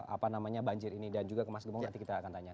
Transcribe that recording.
apa namanya banjir ini dan juga ke mas gembong nanti kita akan tanya